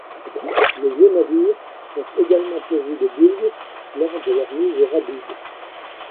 Les vieux navires sont également pourvus de bulbes lors de leur mise au radoub.